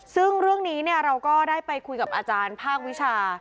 ซึ่งเรื่องนี้เราก็ได้ไปคุยกับอาจารย์ภาควิชา